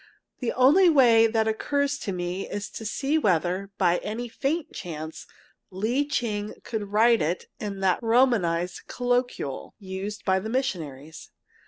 The only way that occurs to me is to see whether, by any faint chance, Lee Ching could write it in that Romanized Colloquial, used by the missionaries.